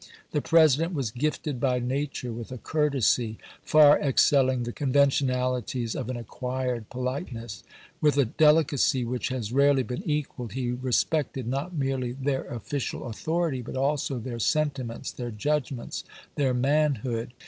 The President was gifted by nature with a courtesy far excelling the conventionalities of an acquired politeness. With a delicacy which has rarely been equaled, he respected not merely their official authority but also their sentiments, their judgments, their manhood.